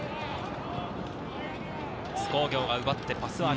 津工業が奪ってパスワーク。